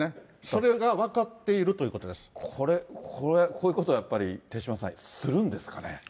それが分かっているということでこれ、こういうこと、やっぱり、手嶋さん、するんですかね。